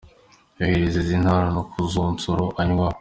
Yohereza iz’intarano ku zo Nsoro anywaho.